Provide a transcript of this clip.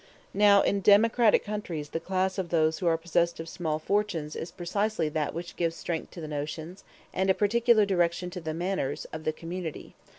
Now in democratic countries the class of those who are possessed of small fortunes is precisely that which gives strength to the notions, and a particular direction to the manners, of the community.